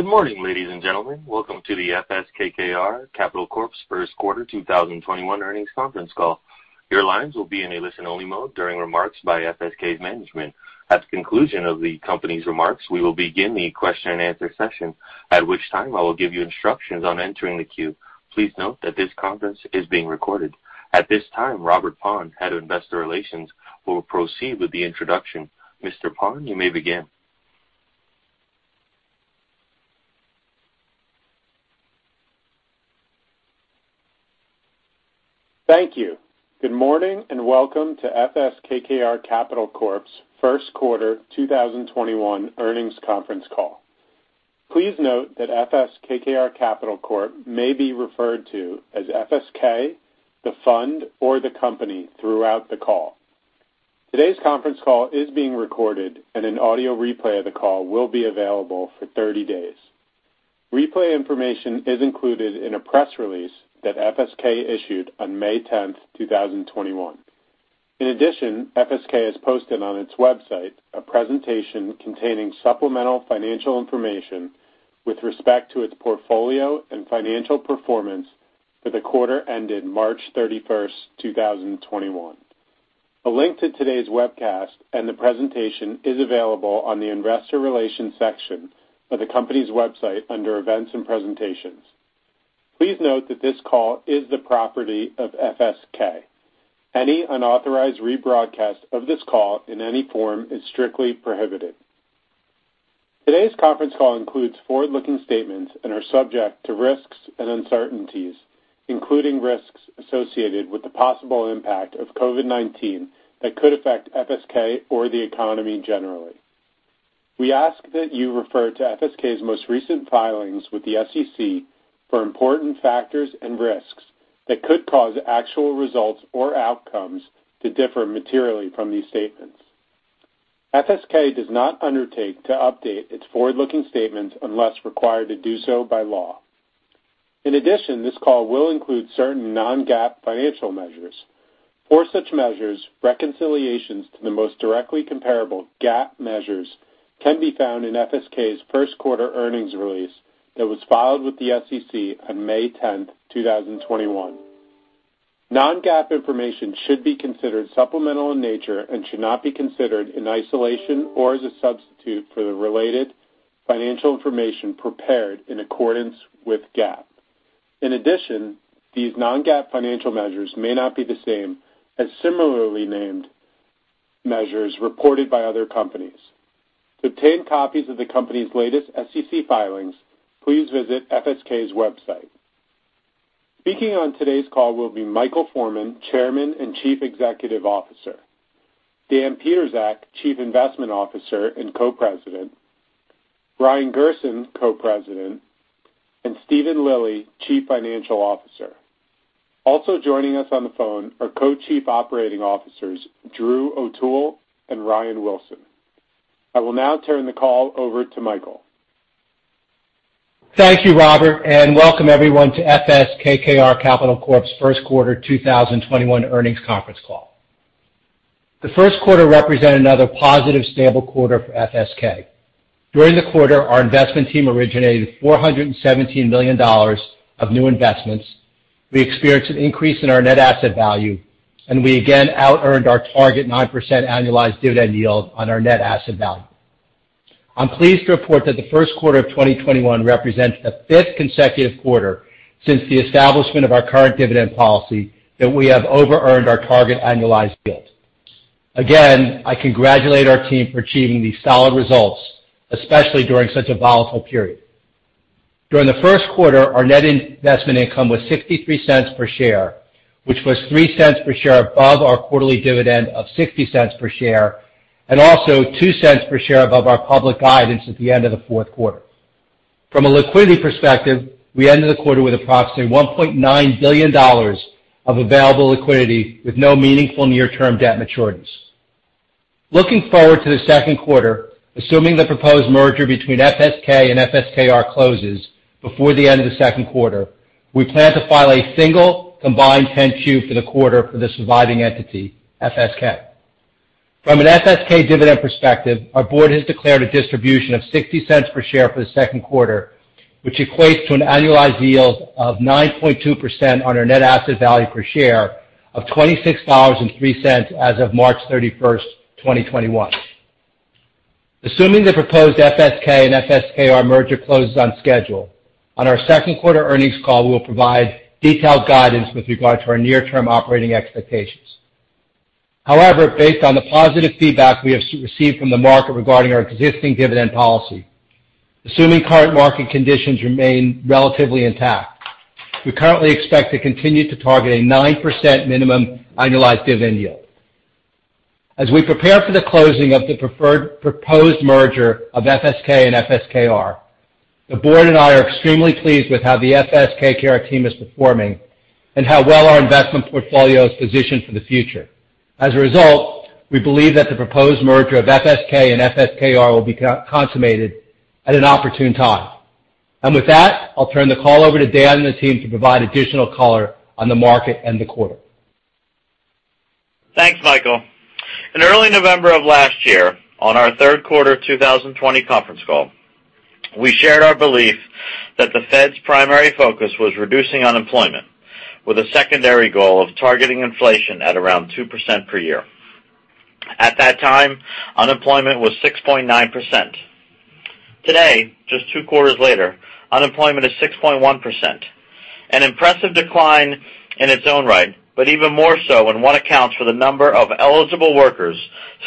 Good morning, ladies and gentlemen. Welcome to the FS KKR Capital Corp's first quarter 2021 earnings conference call. Your lines will be in a listen-only mode during remarks by FSK's management. At the conclusion of the company's remarks, we will begin the question-and-answer session, at which time I will give you instructions on entering the queue. Please note that this conference is being recorded. At this time, Robert Paun, Head of Investor Relations, will proceed with the introduction. Mr. Paun, you may begin. Thank you. Good morning and welcome to FS KKR Capital Corp's first quarter 2021 earnings conference call. Please note that FS KKR Capital Corp may be referred to as FSK, the fund, or the company throughout the call. Today's conference call is being recorded, and an audio replay of the call will be available for 30 days. Replay information is included in a press release that FSK issued on May 10th, 2021. In addition, FSK has posted on its website a presentation containing supplemental financial information with respect to its portfolio and financial performance for the quarter ended March 31st, 2021. A link to today's webcast and the presentation is available on the investor relations section of the company's website under events and presentations. Please note that this call is the property of FSK. Any unauthorized rebroadcast of this call in any form is strictly prohibited. Today's conference call includes forward-looking statements and are subject to risks and uncertainties, including risks associated with the possible impact of COVID-19 that could affect FSK or the economy generally. We ask that you refer to FSK's most recent filings with the SEC for important factors and risks that could cause actual results or outcomes to differ materially from these statements. FSK does not undertake to update its forward-looking statements unless required to do so by law. In addition, this call will include certain non-GAAP financial measures. For such measures, reconciliations to the most directly comparable GAAP measures can be found in FSK's first quarter earnings release that was filed with the SEC on May 10th, 2021. Non-GAAP information should be considered supplemental in nature and should not be considered in isolation or as a substitute for the related financial information prepared in accordance with GAAP. In addition, these non-GAAP financial measures may not be the same as similarly named measures reported by other companies. To obtain copies of the company's latest SEC filings, please visit FSK's website. Speaking on today's call will be Michael Forman, Chairman and Chief Executive Officer, Dan Pietrzak, Chief Investment Officer and Co-President, Brian Gerson, Co-President, and Steven Lilly, Chief Financial Officer. Also joining us on the phone are Co-Chief Operating Officers Drew O'Toole and Ryan Wilson. I will now turn the call over to Michael. Thank you, Robert, and welcome everyone to FS KKR Capital Corp's first quarter 2021 earnings conference call. The first quarter represented another positive, stable quarter for FSK. During the quarter, our investment team originated $417 million of new investments. We experienced an increase in our net asset value, and we again out-earned our target 9% annualized dividend yield on our net asset value. I'm pleased to report that the first quarter of 2021 represents the fifth consecutive quarter since the establishment of our current dividend policy that we have over-earned our target annualized yield. Again, I congratulate our team for achieving these solid results, especially during such a volatile period. During the first quarter, our net investment income was $0.63 per share, which was $0.03 per share above our quarterly dividend of $0.60 per share, and also $0.02 per share above our public guidance at the end of the fourth quarter. From a liquidity perspective, we ended the quarter with approximately $1.9 billion of available liquidity with no meaningful near-term debt maturities. Looking forward to the second quarter, assuming the proposed merger between FSK and FSKR closes before the end of the second quarter, we plan to file a single combined 10-Q for the quarter for the surviving entity, FSK. From an FSK dividend perspective, our board has declared a distribution of $0.60 per share for the second quarter, which equates to an annualized yield of 9.2% on our net asset value per share of $26.03 as of March 31st, 2021. Assuming the proposed FSK and FSKR merger closes on schedule, on our second quarter earnings call, we will provide detailed guidance with regard to our near-term operating expectations. However, based on the positive feedback we have received from the market regarding our existing dividend policy, assuming current market conditions remain relatively intact, we currently expect to continue to target a 9% minimum annualized dividend yield. As we prepare for the closing of the proposed merger of FSK and FSKR, the board and I are extremely pleased with how the FS KKR team is performing and how well our investment portfolio is positioned for the future. As a result, we believe that the proposed merger of FSK and FSKR will be consummated at an opportune time. And with that, I'll turn the call over to Dan and the team to provide additional color on the market and the quarter. Thanks, Michael. In early November of last year, on our third quarter 2020 conference call, we shared our belief that the Fed's primary focus was reducing unemployment, with a secondary goal of targeting inflation at around 2% per year. At that time, unemployment was 6.9%. Today, just two quarters later, unemployment is 6.1%, an impressive decline in its own right, but even more so when one accounts for the number of eligible workers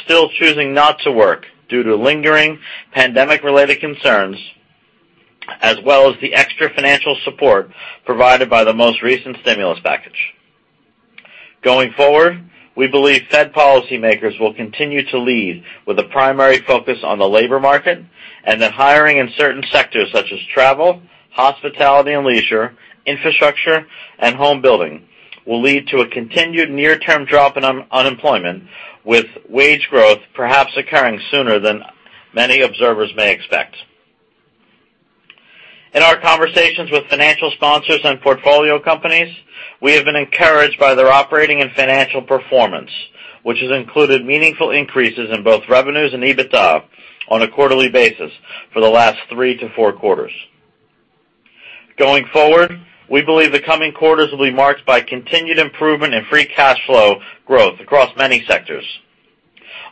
still choosing not to work due to lingering pandemic-related concerns, as well as the extra financial support provided by the most recent stimulus package. Going forward, we believe Fed policymakers will continue to lead with a primary focus on the labor market and that hiring in certain sectors such as travel, hospitality and leisure, infrastructure, and home building will lead to a continued near-term drop in unemployment, with wage growth perhaps occurring sooner than many observers may expect. In our conversations with financial sponsors and portfolio companies, we have been encouraged by their operating and financial performance, which has included meaningful increases in both revenues and EBITDA on a quarterly basis for the last three to four quarters. Going forward, we believe the coming quarters will be marked by continued improvement in free cash flow growth across many sectors,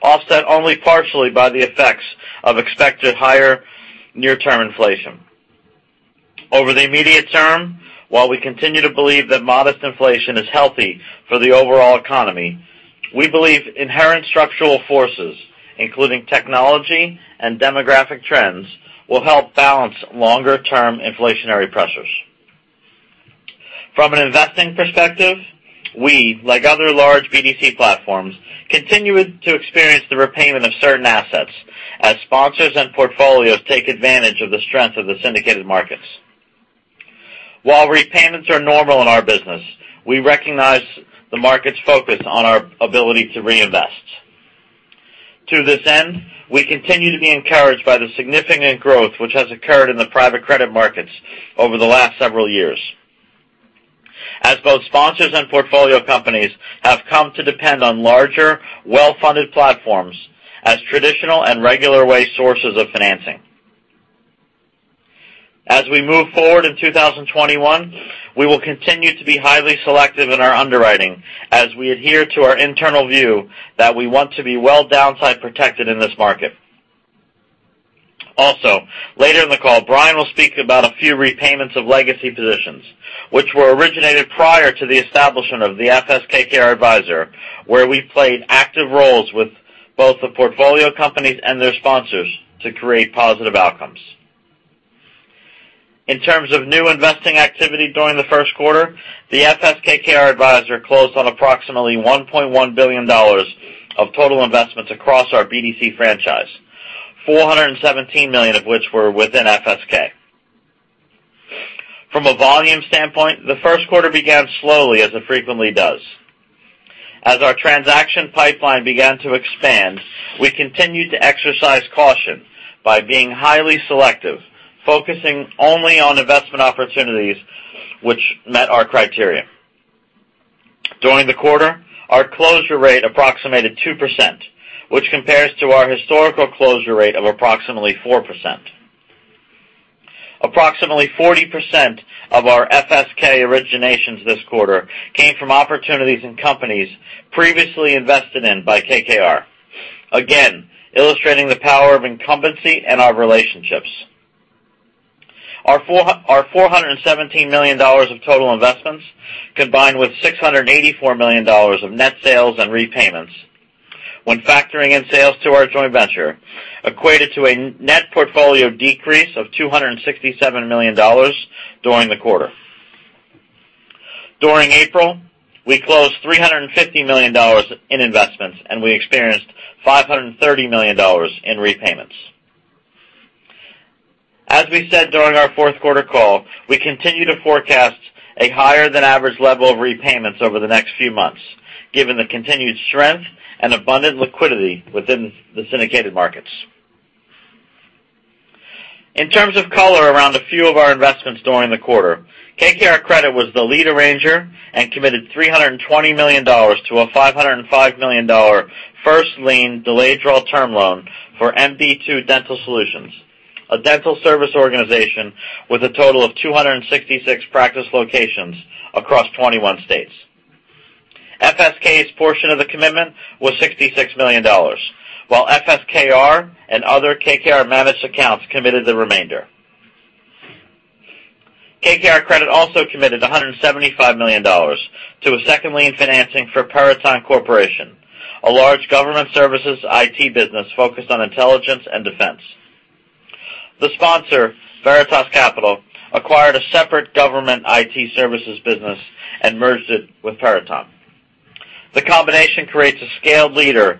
offset only partially by the effects of expected higher near-term inflation. Over the immediate term, while we continue to believe that modest inflation is healthy for the overall economy, we believe inherent structural forces, including technology and demographic trends, will help balance longer-term inflationary pressures. From an investing perspective, we, like other large BDC platforms, continue to experience the repayment of certain assets as sponsors and portfolios take advantage of the strength of the syndicated markets. While repayments are normal in our business, we recognize the market's focus on our ability to reinvest. To this end, we continue to be encouraged by the significant growth which has occurred in the private credit markets over the last several years, as both sponsors and portfolio companies have come to depend on larger, well-funded platforms as traditional and regular way sources of financing. As we move forward in 2021, we will continue to be highly selective in our underwriting as we adhere to our internal view that we want to be well downside protected in this market. Also, later in the call, Brian will speak about a few repayments of legacy positions, which were originated prior to the establishment of the FS KKR Advisor, where we played active roles with both the portfolio companies and their sponsors to create positive outcomes. In terms of new investing activity during the first quarter, the FS KKR Advisor closed on approximately $1.1 billion of total investments across our BDC franchise, $417 million of which were within FSK. From a volume standpoint, the first quarter began slowly as it frequently does. As our transaction pipeline began to expand, we continued to exercise caution by being highly selective, focusing only on investment opportunities which met our criteria. During the quarter, our closure rate approximated 2%, which compares to our historical closure rate of approximately 4%. Approximately 40% of our FSK originations this quarter came from opportunities in companies previously invested in by KKR, again illustrating the power of incumbency and our relationships. Our $417 million of total investments combined with $684 million of net sales and repayments, when factoring in sales to our joint venture, equated to a net portfolio decrease of $267 million during the quarter. During April, we closed $350 million in investments, and we experienced $530 million in repayments. As we said during our fourth quarter call, we continue to forecast a higher-than-average level of repayments over the next few months, given the continued strength and abundant liquidity within the syndicated markets. In terms of color around a few of our investments during the quarter, KKR Credit was the lead arranger and committed $320 million to a $505 million first lien delayed draw term loan for MB2 Dental Solutions, a dental service organization with a total of 266 practice locations across 21 states. FSK's portion of the commitment was $66 million, while FS KKR and other KKR managed accounts committed the remainder. KKR Credit also committed $175 million to a second lien financing for Peraton Corporation, a large government services IT business focused on intelligence and defense. The sponsor, Veritas Capital, acquired a separate government IT services business and merged it with Peraton. The combination creates a scaled leader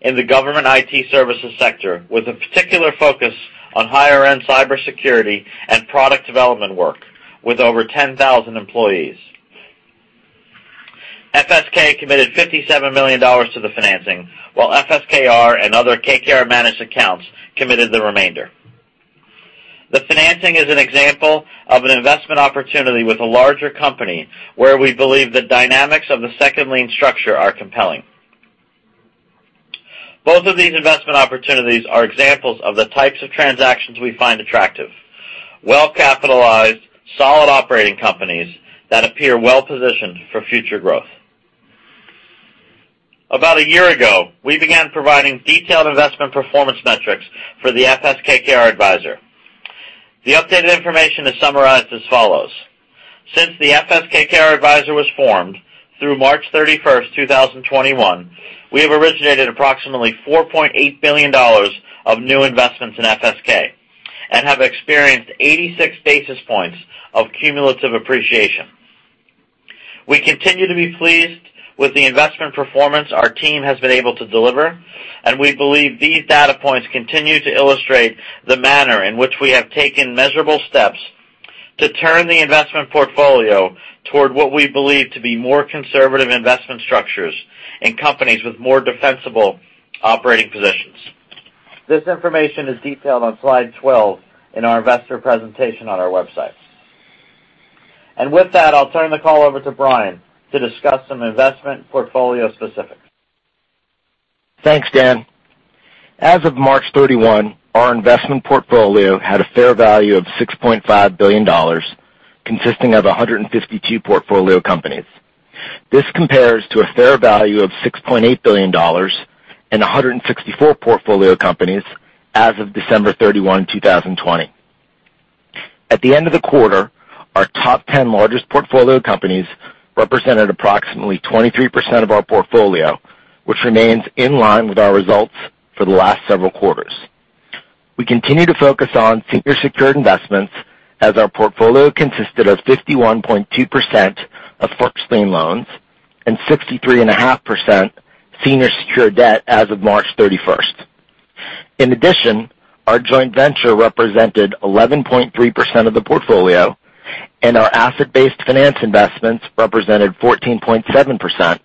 in the government IT services sector with a particular focus on higher-end cybersecurity and product development work with over 10,000 employees. FSK committed $57 million to the financing, while FS KKR and other KKR managed accounts committed the remainder. The financing is an example of an investment opportunity with a larger company where we believe the dynamics of the second lien structure are compelling. Both of these investment opportunities are examples of the types of transactions we find attractive: well-capitalized, solid operating companies that appear well-positioned for future growth. About a year ago, we began providing detailed investment performance metrics for the FS KKR Advisor. The updated information is summarized as follows: since the FS KKR Advisor was formed through March 31st, 2021, we have originated approximately $4.8 billion of new investments in FSK and have experienced 86 basis points of cumulative appreciation. We continue to be pleased with the investment performance our team has been able to deliver, and we believe these data points continue to illustrate the manner in which we have taken measurable steps to turn the investment portfolio toward what we believe to be more conservative investment structures in companies with more defensible operating positions. This information is detailed on slide 12 in our investor presentation on our website, and with that, I'll turn the call over to Brian to discuss some investment portfolio specifics. Thanks, Dan. As of March 31, our investment portfolio had a fair value of $6.5 billion, consisting of 152 portfolio companies. This compares to a fair value of $6.8 billion and 164 portfolio companies as of December 31, 2020. At the end of the quarter, our top 10 largest portfolio companies represented approximately 23% of our portfolio, which remains in line with our results for the last several quarters. We continue to focus on senior secured investments as our portfolio consisted of 51.2% of first lien loans and 63.5% senior secured debt as of March 31st. In addition, our joint venture represented 11.3% of the portfolio, and our asset-based finance investments represented 14.7%,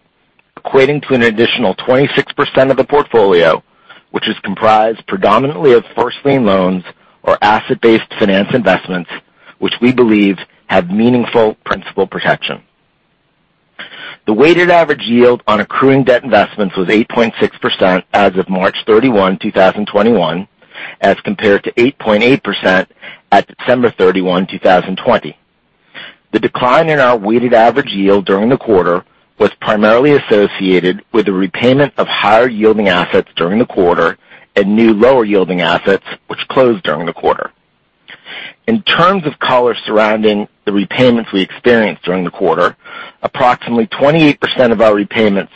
equating to an additional 26% of the portfolio, which is comprised predominantly of first lien loans or asset-based finance investments, which we believe have meaningful principal protection. The weighted average yield on accruing debt investments was 8.6% as of March 31, 2021, as compared to 8.8% at December 31, 2020. The decline in our weighted average yield during the quarter was primarily associated with the repayment of higher-yielding assets during the quarter and new lower-yielding assets which closed during the quarter. In terms of color surrounding the repayments we experienced during the quarter, approximately 28% of our repayments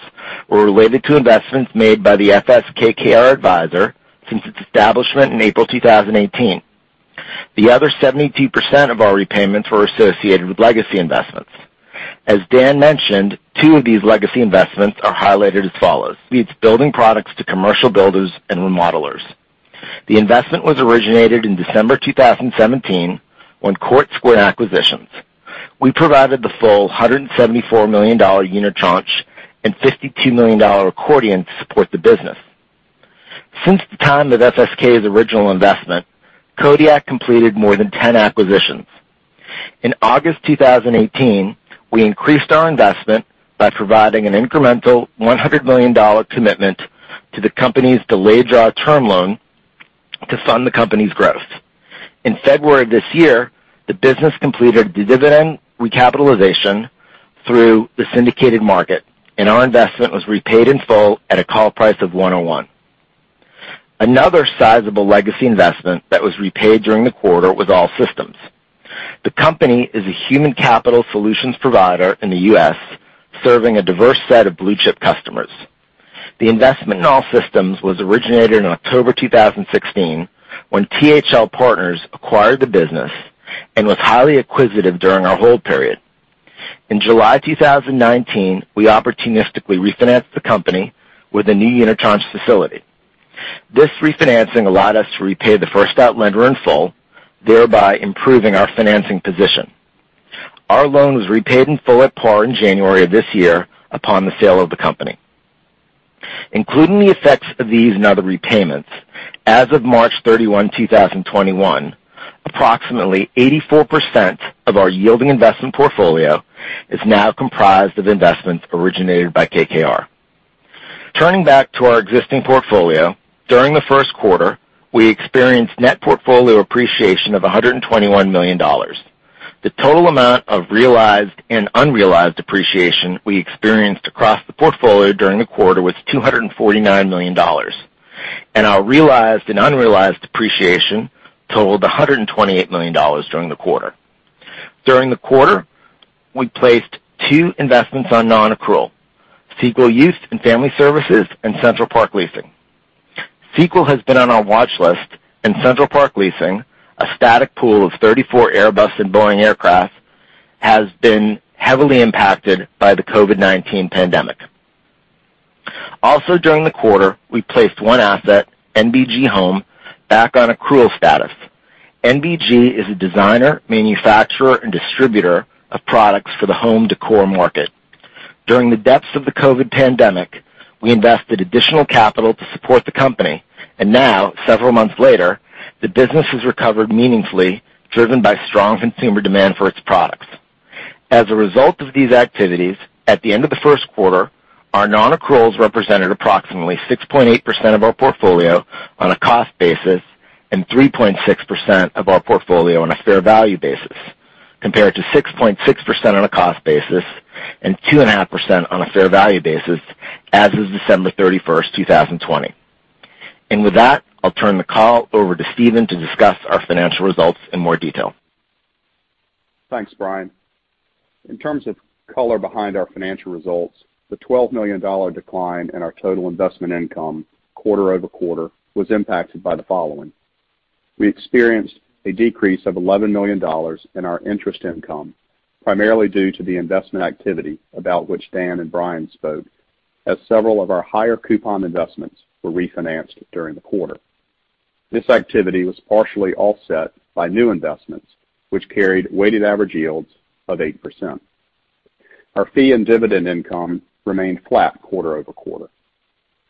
were related to investments made by the FS KKR Advisor since its establishment in April 2018. The other 72% of our repayments were associated with legacy investments. As Dan mentioned, two of these legacy investments are highlighted as follows: It's building products to commercial builders and remodelers. The investment was originated in December 2017 when Court Square acquired. We provided the full $174 million unitranche and $52 million accordion to support the business. Since the time of FSK's original investment, Kodiak completed more than 10 acquisitions. In August 2018, we increased our investment by providing an incremental $100 million commitment to the company's delayed draw term loan to fund the company's growth. In February of this year, the business completed a dividend recapitalization through the syndicated market, and our investment was repaid in full at a call price of 101. Another sizable legacy investment that was repaid during the quarter was System One. The company is a human capital solutions provider in the U.S., serving a diverse set of blue-chip customers. The investment in System One was originated in October 2016 when THL Partners acquired the business and was highly acquisitive during our hold period. In July 2019, we opportunistically refinanced the company with a new unitranche facility. This refinancing allowed us to repay the first-out lender in full, thereby improving our financing position. Our loan was repaid in full at par in January of this year upon the sale of the company. Including the effects of these and other repayments, as of March 31, 2021, approximately 84% of our yielding investment portfolio is now comprised of investments originated by KKR. Turning back to our existing portfolio, during the first quarter, we experienced net portfolio appreciation of $121 million. The total amount of realized and unrealized appreciation we experienced across the portfolio during the quarter was $249 million, and our realized and unrealized appreciation totaled $128 million during the quarter. During the quarter, we placed two investments on non-accrual: Sequel Youth & Family Services and Central Park Leasing. Sequel has been on our watch list, and Central Park Leasing, a static pool of 34 Airbus and Boeing aircraft, has been heavily impacted by the COVID-19 pandemic. Also, during the quarter, we placed one asset, NBG Home, back on accrual status. NBG is a designer, manufacturer, and distributor of products for the home decor market. During the depths of the COVID pandemic, we invested additional capital to support the company, and now, several months later, the business has recovered meaningfully, driven by strong consumer demand for its products. As a result of these activities, at the end of the first quarter, our non-accruals represented approximately 6.8% of our portfolio on a cost basis and 3.6% of our portfolio on a fair value basis, compared to 6.6% on a cost basis and 2.5% on a fair value basis, as of December 31st, 2020. With that, I'll turn the call over to Steven to discuss our financial results in more detail. Thanks, Brian. In terms of color behind our financial results, the $12 million decline in our total investment income quarter over quarter was impacted by the following. We experienced a decrease of $11 million in our interest income, primarily due to the investment activity about which Dan and Brian spoke, as several of our higher coupon investments were refinanced during the quarter. This activity was partially offset by new investments, which carried weighted average yields of 8%. Our fee and dividend income remained flat quarter over quarter.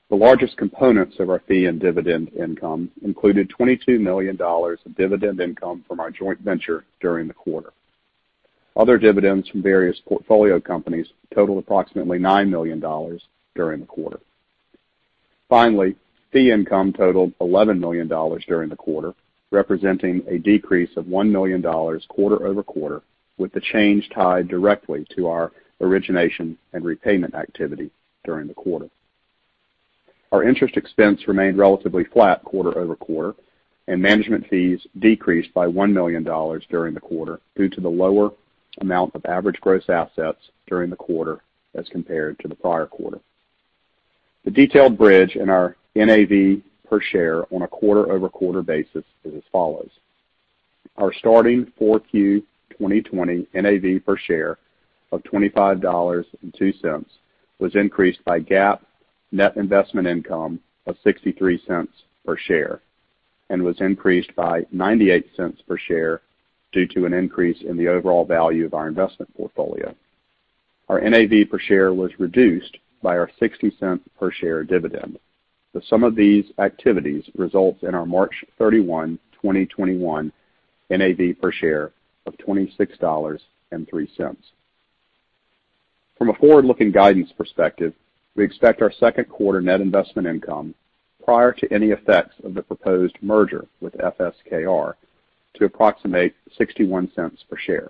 The largest components of our fee and dividend income included $22 million of dividend income from our joint venture during the quarter. Other dividends from various portfolio companies totaled approximately $9 million during the quarter. Finally, fee income totaled $11 million during the quarter, representing a decrease of $1 million quarter over quarter, with the change tied directly to our origination and repayment activity during the quarter. Our interest expense remained relatively flat quarter over quarter, and management fees decreased by $1 million during the quarter due to the lower amount of average gross assets during the quarter as compared to the prior quarter. The detailed bridge in our NAV per share on a quarter over quarter basis is as follows: our starting 4Q 2020 NAV per share of $25.02 was increased by GAAP net investment income of $0.63 per share and was increased by $0.98 per share due to an increase in the overall value of our investment portfolio. Our NAV per share was reduced by our $0.60 per share dividend. The sum of these activities results in our March 31, 2021, NAV per share of $26.03. From a forward-looking guidance perspective, we expect our second quarter net investment income, prior to any effects of the proposed merger with FS KKR, to approximate $0.61 per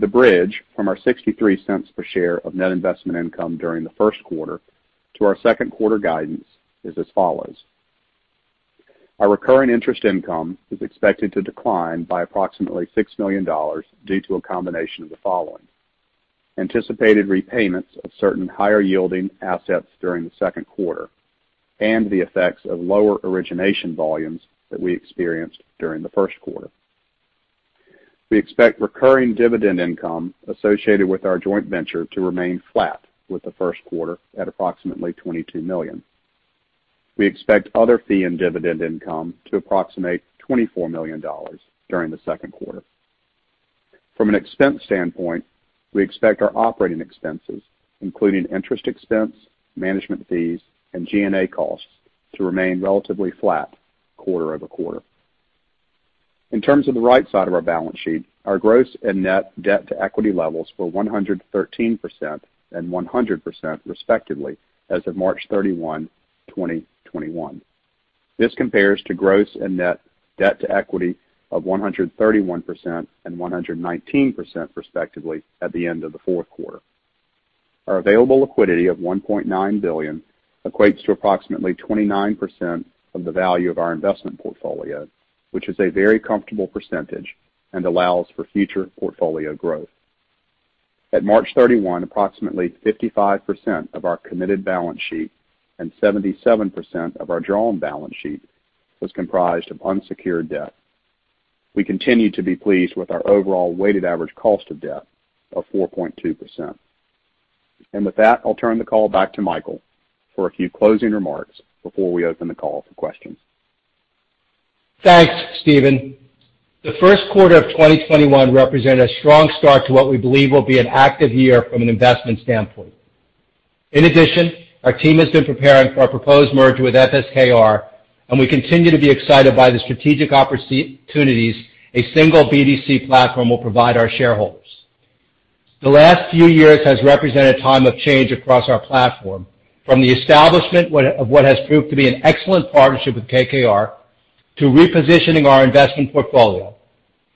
share. The bridge from our $0.63 per share of net investment income during the first quarter to our second quarter guidance is as follows: our recurring interest income is expected to decline by approximately $6 million due to a combination of the following: anticipated repayments of certain higher-yielding assets during the second quarter and the effects of lower origination volumes that we experienced during the first quarter. We expect recurring dividend income associated with our joint venture to remain flat with the first quarter at approximately $22 million. We expect other fee and dividend income to approximate $24 million during the second quarter. From an expense standpoint, we expect our operating expenses, including interest expense, management fees, and G&A costs, to remain relatively flat quarter over quarter. In terms of the right side of our balance sheet, our gross and net debt to equity levels were 113% and 100%, respectively, as of March 31, 2021. This compares to gross and net debt to equity of 131% and 119%, respectively, at the end of the fourth quarter. Our available liquidity of $1.9 billion equates to approximately 29% of the value of our investment portfolio, which is a very comfortable percentage and allows for future portfolio growth. At March 31, approximately 55% of our committed balance sheet and 77% of our drawn balance sheet was comprised of unsecured debt. We continue to be pleased with our overall weighted average cost of debt of 4.2%. And with that, I'll turn the call back to Michael for a few closing remarks before we open the call for questions. Thanks, Steven. The first quarter of 2021 represented a strong start to what we believe will be an active year from an investment standpoint. In addition, our team has been preparing for our proposed merger with FS KKR, and we continue to be excited by the strategic opportunities a single BDC platform will provide our shareholders. The last few years have represented a time of change across our platform, from the establishment of what has proved to be an excellent partnership with KKR to repositioning our investment portfolio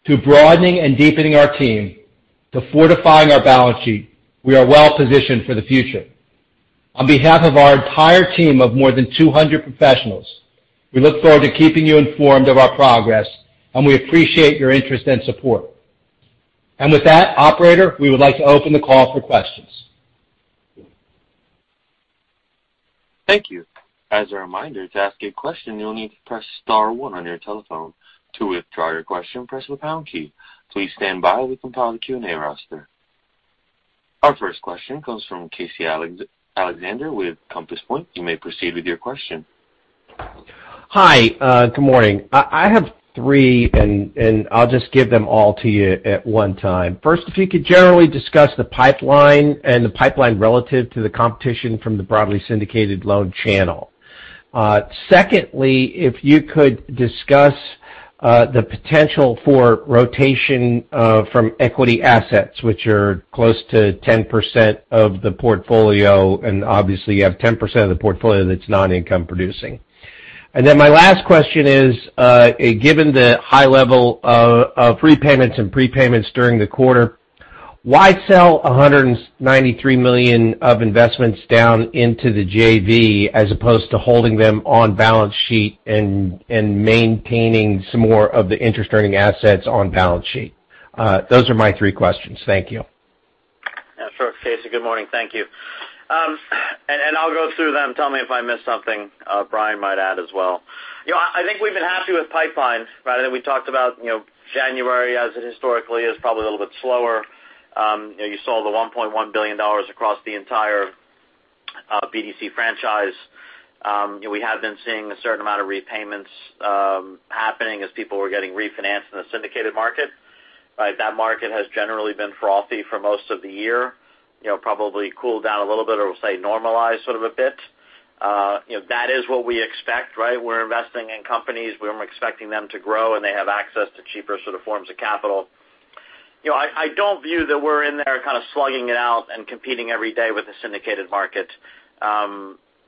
to broadening and deepening our team to fortifying our balance sheet. We are well positioned for the future. On behalf of our entire team of more than 200 professionals, we look forward to keeping you informed of our progress, and we appreciate your interest and support. And with that, Operator, we would like to open the call for questions. Thank you. As a reminder, to ask a question, you'll need to press star one on your telephone. To withdraw your question, press the pound key. Please stand by while we compile the Q&A roster. Our first question comes from Casey Alexander with Compass Point. You may proceed with your question. Hi, good morning. I have three, and I'll just give them all to you at one time. First, if you could generally discuss the pipeline and the pipeline relative to the competition from the broadly syndicated loan channel. Secondly, if you could discuss the potential for rotation from equity assets, which are close to 10% of the portfolio, and obviously, you have 10% of the portfolio that's non-income producing. And then my last question is, given the high level of repayments and prepayments during the quarter, why sell $193 million of investments down into the JV as opposed to holding them on balance sheet and maintaining some more of the interest-earning assets on balance sheet? Those are my three questions. Thank you. Sure. Casey, good morning. Thank you, and I'll go through them. Tell me if I missed something Brian might add as well. I think we've been happy with pipeline. We talked about January as it historically is probably a little bit slower. You saw the $1.1 billion across the entire BDC franchise. We have been seeing a certain amount of repayments happening as people were getting refinanced in the syndicated market. That market has generally been frothy for most of the year, probably cooled down a little bit or, say, normalized sort of a bit. That is what we expect. We're investing in companies. We're expecting them to grow, and they have access to cheaper sort of forms of capital. I don't view that we're in there kind of slugging it out and competing every day with the syndicated market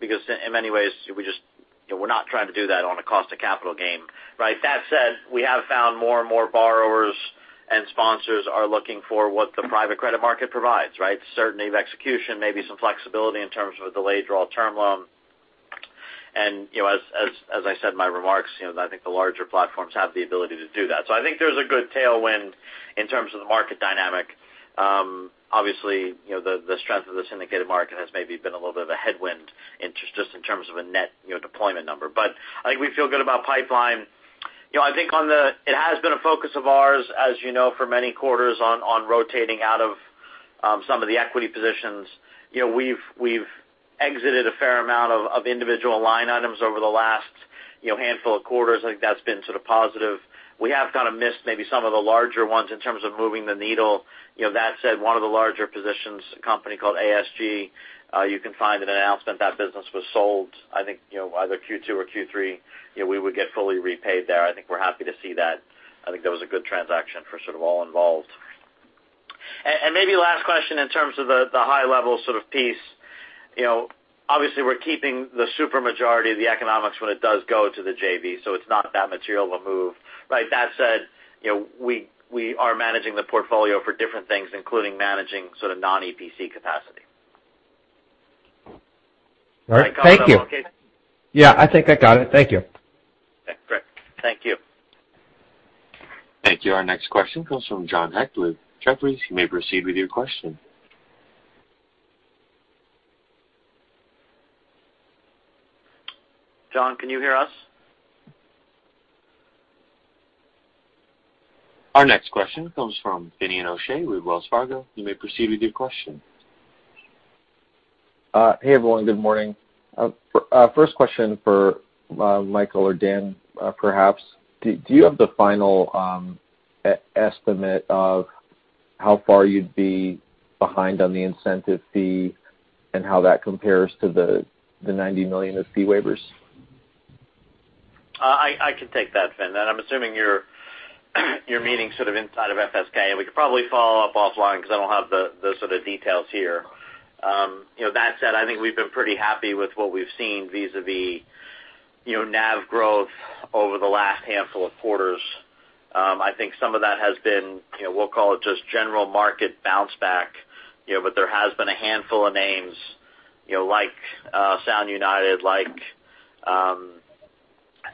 because, in many ways, we're not trying to do that on a cost of capital game. That said, we have found more and more borrowers and sponsors are looking for what the private credit market provides: certainty of execution, maybe some flexibility in terms of a delayed draw term loan. And as I said in my remarks, I think the larger platforms have the ability to do that. So I think there's a good tailwind in terms of the market dynamic. Obviously, the strength of the syndicated market has maybe been a little bit of a headwind just in terms of a net deployment number. But I think we feel good about pipeline. I think it has been a focus of ours, as you know, for many quarters on rotating out of some of the equity positions. We've exited a fair amount of individual line items over the last handful of quarters. I think that's been sort of positive. We have kind of missed maybe some of the larger ones in terms of moving the needle. That said, one of the larger positions, a company called ASG, you can find an announcement that business was sold, I think, either Q2 or Q3. We would get fully repaid there. I think we're happy to see that. I think that was a good transaction for sort of all involved. Maybe last question in terms of the high-level sort of piece. Obviously, we're keeping the super majority of the economics when it does go to the JV, so it's not that material a move. That said, we are managing the portfolio for different things, including managing sort of non-EPC capacity. All right. Thank you. Yeah, I think I got it. Thank you. Okay. Great. Thank you. Thank you. Our next question comes from John Hecht with Jefferies. You may proceed with your question. John, can you hear us? Our next question comes from Finian O'Shea with Wells Fargo. You may proceed with your question. Hey, everyone. Good morning. First question for Michael or Dan, perhaps. Do you have the final estimate of how far you'd be behind on the incentive fee and how that compares to the $90 million of fee waivers? I can take that, Vin. And I'm assuming you're meeting sort of inside of FS KKR. We could probably follow up offline because I don't have the sort of details here. That said, I think we've been pretty happy with what we've seen vis-à-vis NAV growth over the last handful of quarters. I think some of that has been, we'll call it just general market bounce back, but there has been a handful of names like Sound United, like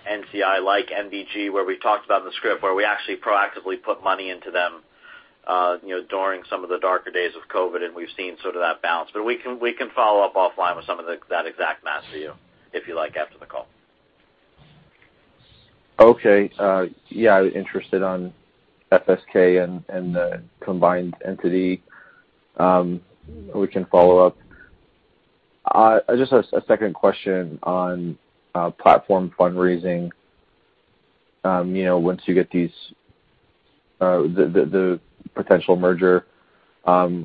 NCI, like NBG, where we talked about in the script, where we actually proactively put money into them during some of the darker days of COVID, and we've seen sort of that bounce. But we can follow up offline with some of that exact math for you, if you like, after the call. Okay. Yeah, I was interested on FS KKR and the combined entity. We can follow up. Just a second question on platform fundraising. Once you get the potential merger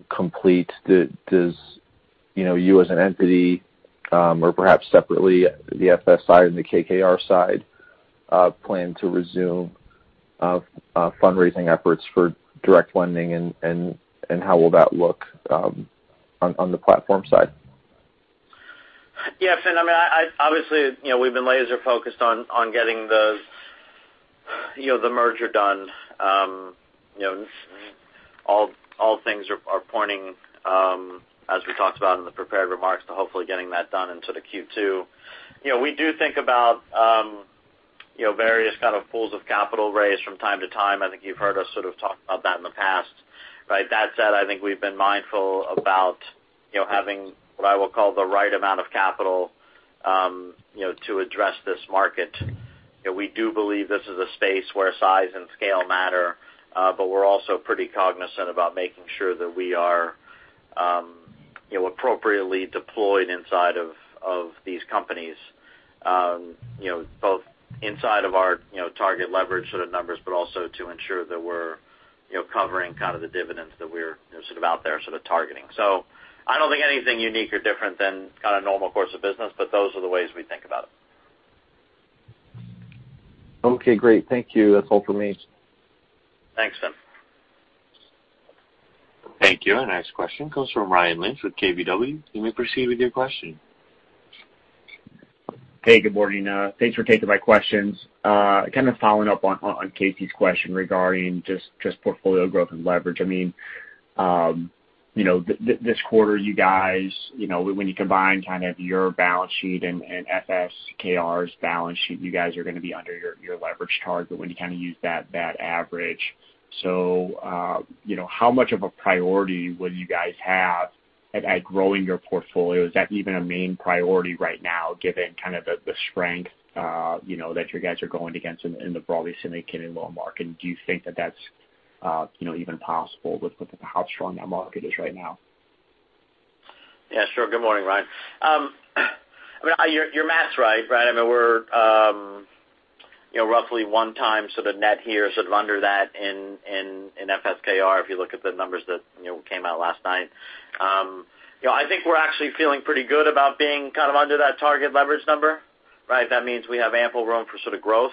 complete, do you as an entity or perhaps separately, the FS side and the KKR side, plan to resume fundraising efforts for direct lending, and how will that look on the platform side? Yeah, Vin, I mean, obviously, we've been laser-focused on getting the merger done. All things are pointing, as we talked about in the prepared remarks, to hopefully getting that done into the Q2. We do think about various kind of pools of capital raised from time to time. I think you've heard us sort of talk about that in the past. That said, I think we've been mindful about having what I will call the right amount of capital to address this market. We do believe this is a space where size and scale matter, but we're also pretty cognizant about making sure that we are appropriately deployed inside of these companies, both inside of our target leverage sort of numbers, but also to ensure that we're covering kind of the dividends that we're sort of out there sort of targeting. So I don't think anything unique or different than kind of normal course of business, but those are the ways we think about it. Okay. Great. Thank you. That's all for me. Thanks, Vin. Thank you. Our next question comes from Ryan Lynch with KBW. You may proceed with your question. Hey, good morning. Thanks for taking my questions. Kind of following up on Casey's question regarding just portfolio growth and leverage. I mean, this quarter, you guys, when you combine kind of your balance sheet and FS KKR's balance sheet, you guys are going to be under your leverage target when you kind of use that average. So how much of a priority will you guys have at growing your portfolio? Is that even a main priority right now, given kind of the strength that you guys are going against in the broadly syndicated loan market? And do you think that that's even possible with how strong that market is right now? Yeah, sure. Good morning, Ryan. I mean, your math's right, right? I mean, we're roughly one time sort of net here, sort of under that in FS KKR if you look at the numbers that came out last night. I think we're actually feeling pretty good about being kind of under that target leverage number. That means we have ample room for sort of growth.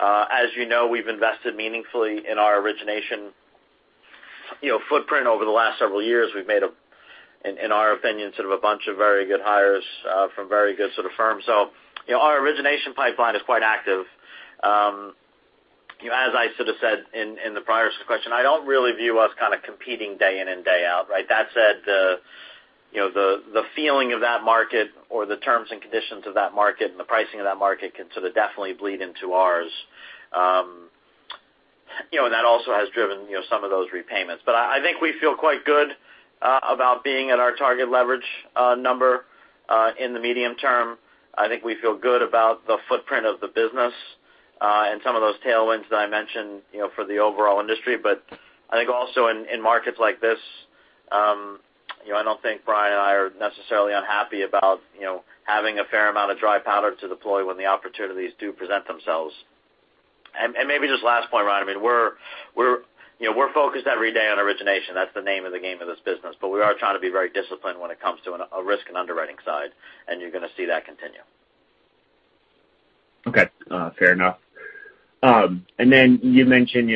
As you know, we've invested meaningfully in our origination footprint over the last several years. We've made, in our opinion, sort of a bunch of very good hires from very good sort of firms. So our origination pipeline is quite active. As I sort of said in the prior question, I don't really view us kind of competing day in and day out. That said, the feeling of that market or the terms and conditions of that market and the pricing of that market can sort of definitely bleed into ours. And that also has driven some of those repayments. But I think we feel quite good about being at our target leverage number in the medium term. I think we feel good about the footprint of the business and some of those tailwinds that I mentioned for the overall industry. But I think also in markets like this, I don't think Brian and I are necessarily unhappy about having a fair amount of dry powder to deploy when the opportunities do present themselves. And maybe just last point, Ryan. I mean, we're focused every day on origination. That's the name of the game of this business. But we are trying to be very disciplined when it comes to a risk and underwriting side, and you're going to see that continue. Okay. Fair enough. And then you mentioned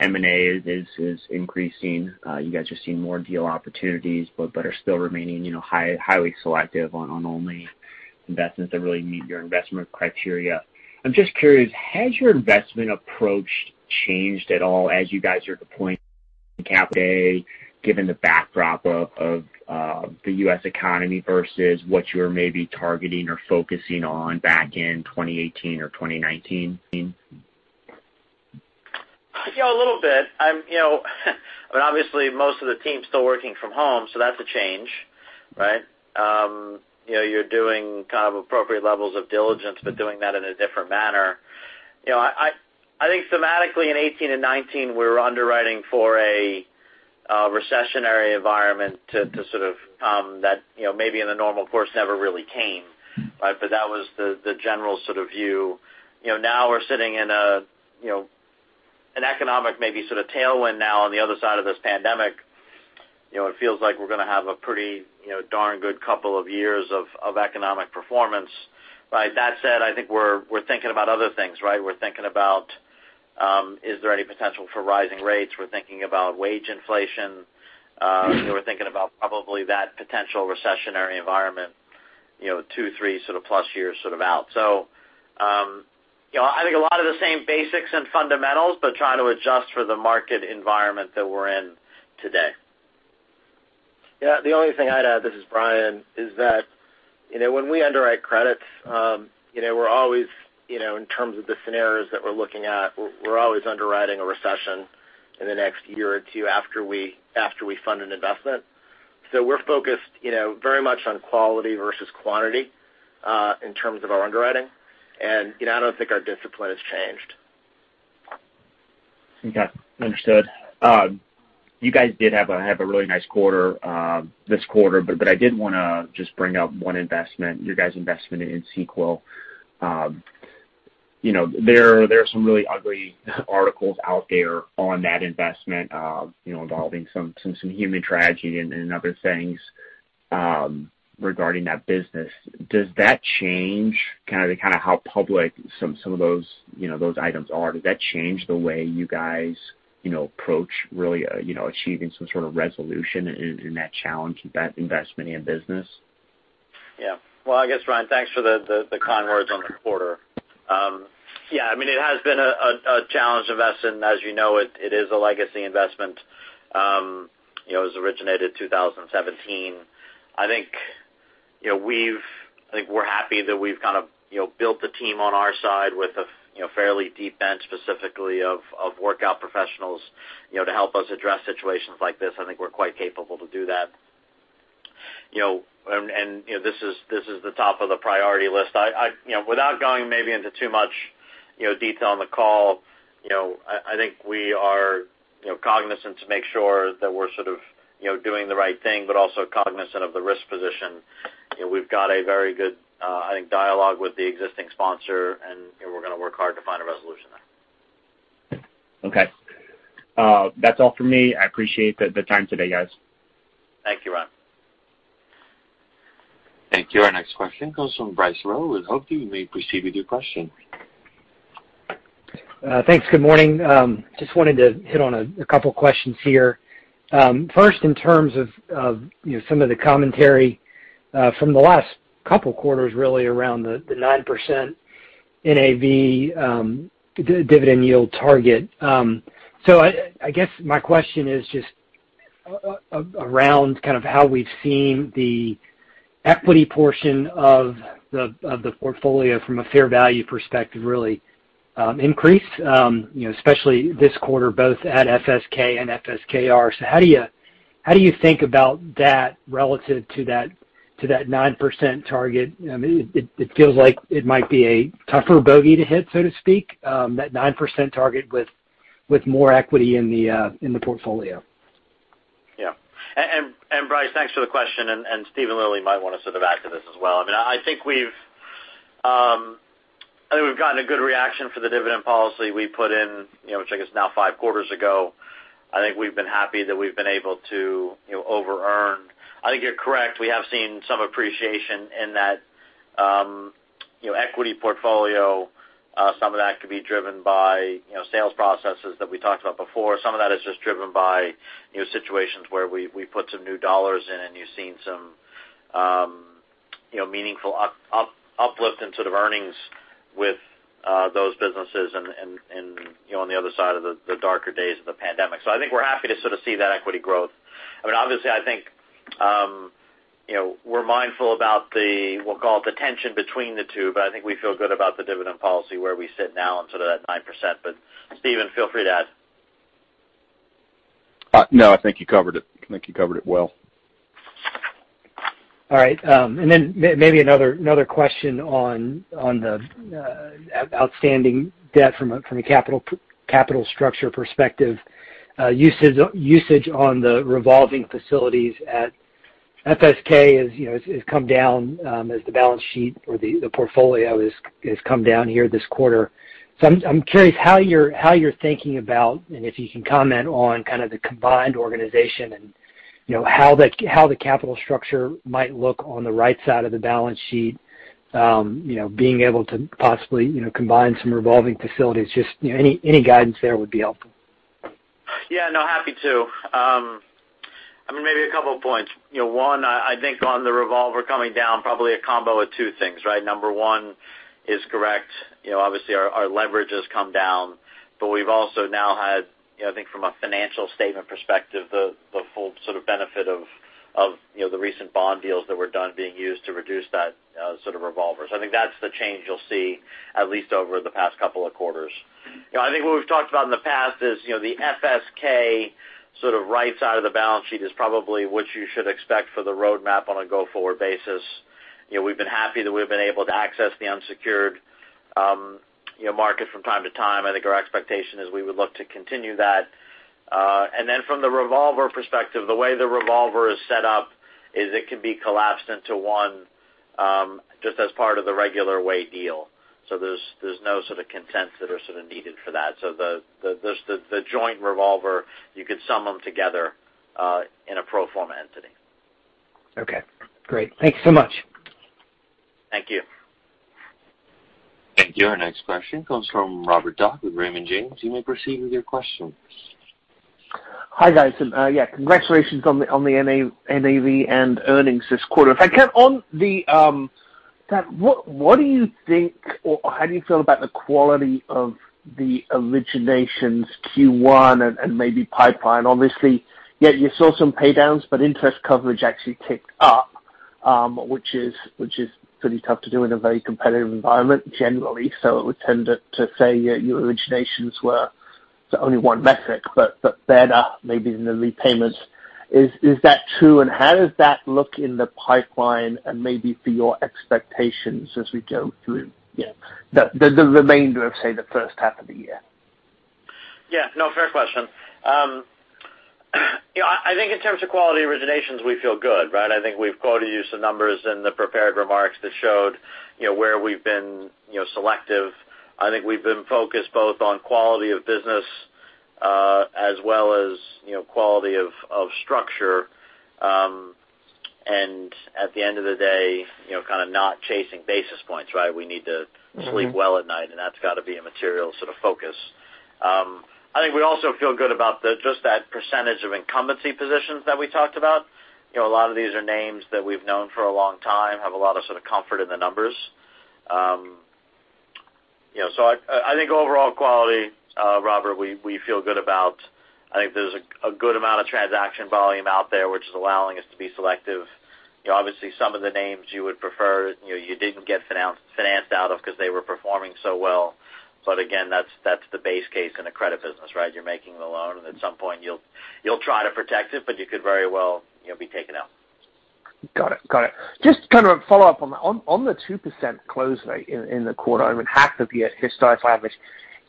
M&A is increasing. You guys are seeing more deal opportunities, but are still remaining highly selective on only investments that really meet your investment criteria. I'm just curious, has your investment approach changed at all as you guys are deploying capital today, given the backdrop of the U.S. economy versus what you were maybe targeting or focusing on back in 2018 or 2019? Yeah, a little bit. I mean, obviously, most of the team's still working from home, so that's a change. You're doing kind of appropriate levels of diligence, but doing that in a different manner. I think thematically, in 2018 and 2019, we were underwriting for a recessionary environment to sort of come that maybe in the normal course never really came. But that was the general sort of view. Now we're sitting in an economic maybe sort of tailwind now on the other side of this pandemic. It feels like we're going to have a pretty darn good couple of years of economic performance. That said, I think we're thinking about other things. We're thinking about, is there any potential for rising rates? We're thinking about wage inflation. We're thinking about probably that potential recessionary environment two, three sort of plus years sort of out. So I think a lot of the same basics and fundamentals, but trying to adjust for the market environment that we're in today. Yeah. The only thing I'd add, this is Brian, is that when we underwrite credit, we're always, in terms of the scenarios that we're looking at, we're always underwriting a recession in the next year or two after we fund an investment. So we're focused very much on quality versus quantity in terms of our underwriting. And I don't think our discipline has changed. Okay. Understood. You guys did have a really nice quarter this quarter, but I did want to just bring up one investment, your guys' investment in Sequel. There are some really ugly articles out there on that investment involving some human tragedy and other things regarding that business. Does that change kind of how public some of those items are? Does that change the way you guys approach really achieving some sort of resolution in that challenge, that investment in business? Yeah. Well, I guess, Ryan, thanks for the kind words on the quarter. Yeah. I mean, it has been a challenging investment. As you know, it is a legacy investment. It was originated in 2017. I think we're happy that we've kind of built a team on our side with a fairly deep bench, specifically of workout professionals to help us address situations like this. I think we're quite capable to do that. And this is the top of the priority list. Without going maybe into too much detail on the call, I think we are cognizant to make sure that we're sort of doing the right thing, but also cognizant of the risk position. We've got a very good, I think, dialogue with the existing sponsor, and we're going to work hard to find a resolution there. Okay. That's all for me. I appreciate the time today, guys. Thank you, Ryan. Thank you. Our next question comes from Bryce Rowe. We hope you may proceed with your question. Thanks. Good morning. Just wanted to hit on a couple of questions here. First, in terms of some of the commentary from the last couple of quarters, really around the 9% NAV dividend yield target. So I guess my question is just around kind of how we've seen the equity portion of the portfolio from a fair value perspective really increase, especially this quarter, both at FSK and FSKR. So how do you think about that relative to that 9% target? It feels like it might be a tougher bogey to hit, so to speak, that 9% target with more equity in the portfolio. Yeah. And Bryce, thanks for the question. And Steven Lilly might want to sort of add to this as well. I mean, I think we've gotten a good reaction for the dividend policy we put in, which I guess is now five quarters ago. I think we've been happy that we've been able to over-earn. I think you're correct. We have seen some appreciation in that equity portfolio. Some of that could be driven by sales processes that we talked about before. Some of that is just driven by situations where we put some new dollars in, and you've seen some meaningful uplift in sort of earnings with those businesses on the other side of the darker days of the pandemic. So I think we're happy to sort of see that equity growth. I mean, obviously, I think we're mindful about the, we'll call it the tension between the two, but I think we feel good about the dividend policy where we sit now and sort of that 9%. But Steven, feel free to add. No, I think you covered it. I think you covered it well. All right. And then maybe another question on the outstanding debt from a capital structure perspective, usage on the revolving facilities at FSK has come down as the balance sheet or the portfolio has come down here this quarter. So I'm curious how you're thinking about, and if you can comment on kind of the combined organization and how the capital structure might look on the right side of the balance sheet, being able to possibly combine some revolving facilities. Just any guidance there would be helpful. Yeah. No, happy to. I mean, maybe a couple of points. One, I think on the revolver coming down, probably a combo of two things, right? Number one is correct. Obviously, our leverage has come down, but we've also now had, I think from a financial statement perspective, the full sort of benefit of the recent bond deals that were done being used to reduce that sort of revolver. So I think that's the change you'll see at least over the past couple of quarters. I think what we've talked about in the past is the FSK sort of right side of the balance sheet is probably what you should expect for the roadmap on a go-forward basis. We've been happy that we've been able to access the unsecured market from time to time. I think our expectation is we would look to continue that. And then, from the revolver perspective, the way the revolver is set up is it can be collapsed into one just as part of the regular way deal. So there's no sort of consents that are sort of needed for that. So the joint revolver, you could sum them together in a pro forma entity. Okay. Great. Thanks so much. Thank you. Thank you. Our next question comes from Robert Dodd with Raymond James. You may proceed with your question. Hi, guys. Yeah. Congratulations on the NAV and earnings this quarter. If I can, on the what do you think, or how do you feel about the quality of the originations Q1 and maybe pipeline? Obviously, yeah, you saw some paydowns, but interest coverage actually ticked up, which is pretty tough to do in a very competitive environment generally. So it would tend to say your originations were only one metric, but better maybe than the repayments. Is that true? And how does that look in the pipeline and maybe for your expectations as we go through the remainder of, say, the first half of the year? Yeah. No, fair question. I think in terms of quality originations, we feel good, right? I think we've quoted you some numbers in the prepared remarks that showed where we've been selective. I think we've been focused both on quality of business as well as quality of structure. And at the end of the day, kind of not chasing basis points, right? We need to sleep well at night, and that's got to be a material sort of focus. I think we also feel good about just that percentage of incumbency positions that we talked about. A lot of these are names that we've known for a long time, have a lot of sort of comfort in the numbers. So I think overall quality, Robert, we feel good about. I think there's a good amount of transaction volume out there, which is allowing us to be selective. Obviously, some of the names you would prefer you didn't get financed out of because they were performing so well. But again, that's the base case in a credit business, right? You're making the loan, and at some point, you'll try to protect it, but you could very well be taken out. Got it. Got it. Just kind of a follow-up on the 2% close rate in the quarter, I mean, half of the historical average.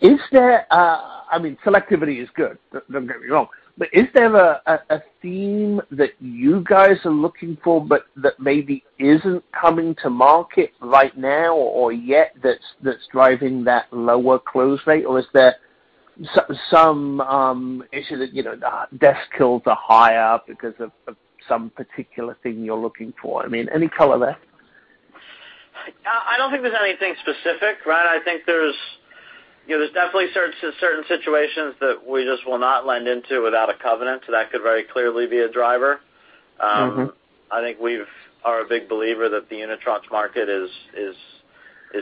I mean, selectivity is good. Don't get me wrong. But is there a theme that you guys are looking for, but that maybe isn't coming to market right now or yet that's driving that lower close rate? Or is there some issue that deal kills are higher because of some particular thing you're looking for? I mean, any color there? I don't think there's anything specific, right? I think there's definitely certain situations that we just will not lend into without a covenant. So that could very clearly be a driver. I think we are a big believer that the unitranche market is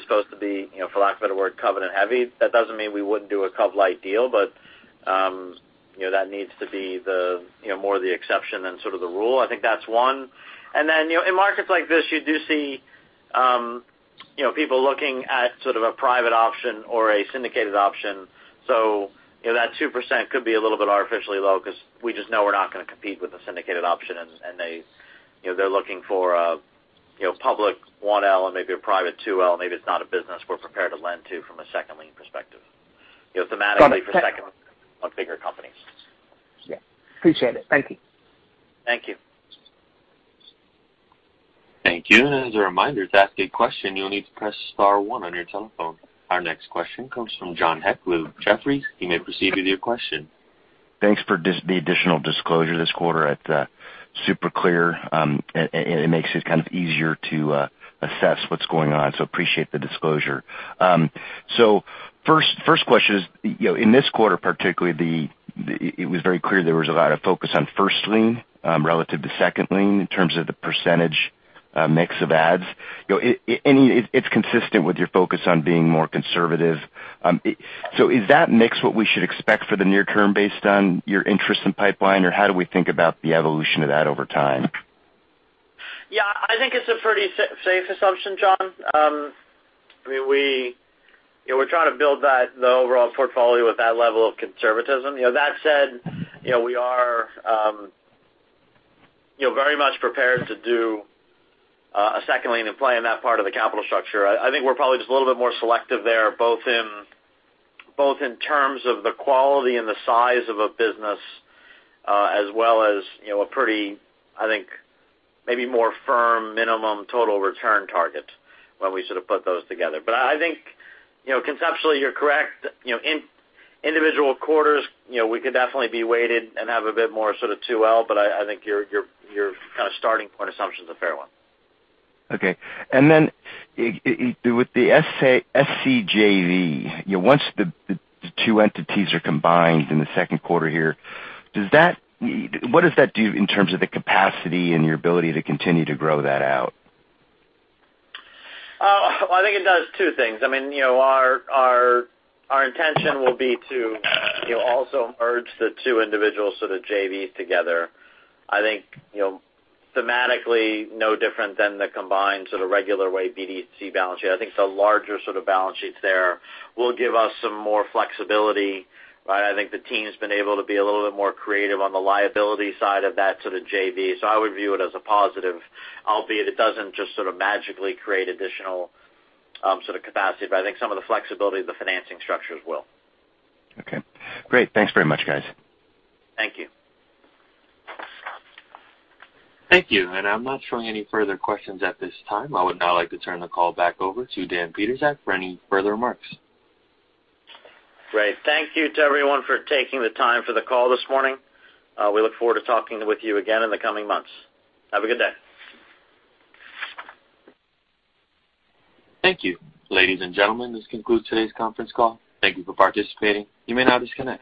supposed to be, for lack of a better word, covenant heavy. That doesn't mean we wouldn't do a covenant-light deal, but that needs to be more the exception than sort of the rule. I think that's one. And then in markets like this, you do see people looking at sort of a private option or a syndicated option. So that 2% could be a little bit artificially low because we just know we're not going to compete with a syndicated option, and they're looking for a public 1L and maybe a private 2L. Maybe it's not a business we're prepared to lend to from a second lien perspective, thematically for second lien bigger companies. Yeah. Appreciate it. Thank you. Thank you. Thank you. And as a reminder, to ask a question, you'll need to press star one on your telephone. Our next question comes from John Hecht with Jefferies. He may proceed with your question. Thanks for the additional disclosure this quarter. It's super clear. It makes it kind of easier to assess what's going on. So appreciate the disclosure. So first question is, in this quarter particularly, it was very clear there was a lot of focus on first lien relative to second lien in terms of the percentage mix of adds. It's consistent with your focus on being more conservative. So is that mix what we should expect for the near term based on your investments in pipeline, or how do we think about the evolution of that over time? Yeah. I think it's a pretty safe assumption, John. I mean, we're trying to build the overall portfolio with that level of conservatism. That said, we are very much prepared to do a second lien play in that part of the capital structure. I think we're probably just a little bit more selective there, both in terms of the quality and the size of a business, as well as a pretty, I think, maybe more firm minimum total return target when we sort of put those together. But I think conceptually, you're correct. Individual quarters, we could definitely be weighted and have a bit more sort of 2L, but I think your kind of starting point assumption is a fair one. Okay. And then with the SCJV, once the two entities are combined in the second quarter here, what does that do in terms of the capacity and your ability to continue to grow that out? I think it does two things. I mean, our intention will be to also merge the two individual sort of JVs together. I think thematically, no different than the combined sort of regular weight BDC balance sheet. I think the larger sort of balance sheets there will give us some more flexibility, right? I think the team's been able to be a little bit more creative on the liability side of that sort of JV. So I would view it as a positive, albeit it doesn't just sort of magically create additional sort of capacity. But I think some of the flexibility of the financing structures will. Okay. Great. Thanks very much, guys. Thank you. Thank you. And I'm not showing any further questions at this time. I would now like to turn the call back over to Dan Pietrzak for any further remarks. Great. Thank you to everyone for taking the time for the call this morning. We look forward to talking with you again in the coming months. Have a good day. Thank you, ladies and gentlemen. This concludes today's conference call. Thank you for participating. You may now disconnect.